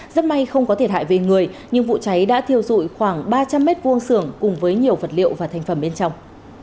rất may không có thiệt hại về người nhưng vụ cháy đã thiêu dụi khoảng ba trăm linh m hai xưởng cùng với nhiều vật liệu và thành phẩm bên trong